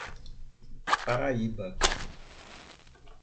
Paraíba